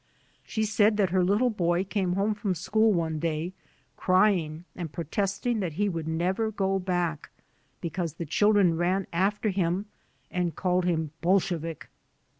She said that her little boy came home from school one day crying and protesting that he would never go back, because the children ran after him and called him "Bolshevik."